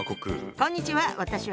こんにちは。